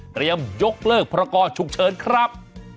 เตรียมยกเลิกประกอบฉุกเฉินครับ